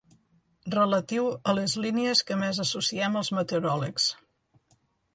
Relatiu a les línies que més associem als meteoròlegs.